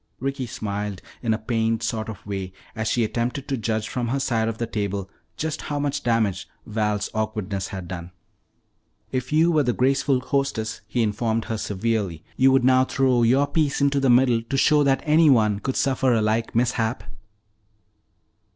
Ricky smiled in a pained sort of way as she attempted to judge from her side of the table just how much damage Val's awkwardness had done. "If you were the graceful hostess," he informed her severely, "you would now throw your piece in the middle to show that anyone could suffer a like mishap."